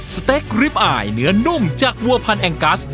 สเต็กกริปอายเนื้อนุ่มจากวัวพันธแองกัส